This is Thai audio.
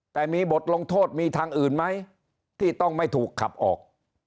แต่มีบทลงโทษมีทางอื่นไหมที่ต้องไม่ถูกขับออก